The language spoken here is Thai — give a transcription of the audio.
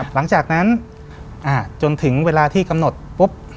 หลังจากนั้นจนถึงเวลาที่กำหนดปุ๊บ